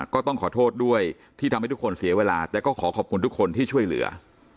ก็ต้องขอโทษด้วยที่ทำให้ทุกคนเสียเวลาแต่ก็ขอขอบคุณทุกคนที่ช่วยเหลือ